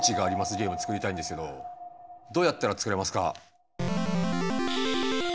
ゲーム作りたいんですけどどうやったら作れますか？